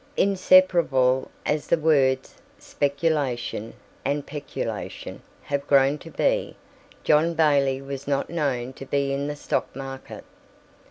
Inseparable as the words "speculation" and "peculation" have grown to be, John Bailey was not known to be in the stock market.